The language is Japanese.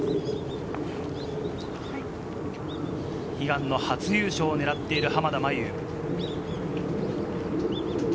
悲願の初優勝を狙っている濱田茉優。